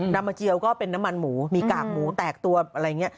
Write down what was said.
มาเจียวก็เป็นน้ำมันหมูมีกากหมูแตกตัวอะไรอย่างนี้